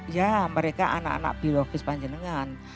ya mereka anak anak biologis panjenengan